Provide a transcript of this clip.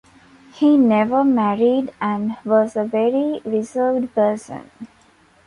He never married and was a very reserved person.